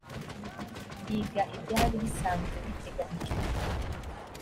yiga ibyari bisanzwe biteganyijwe